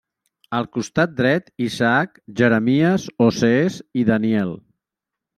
Al costat dret Isaac, Jeremies, Osees i Daniel.